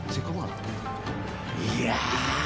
いや。